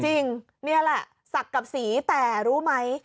จริงนี่แหละศักดิ์กับสีแต่รู้ไหม